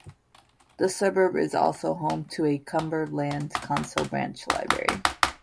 The suburb is also home to a Cumberland Council branch library.